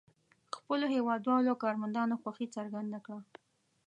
خپلو هېوادوالو او کارمندانو خوښي څرګنده کړه.